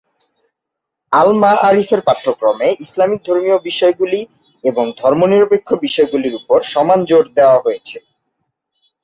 আল-মাআরিফের পাঠ্যক্রমে ইসলামিক ধর্মীয় বিষয়গুলি এবং ধর্মনিরপেক্ষ বিষয়গুলির উপর সমান জোর দেওয়া হয়েছে।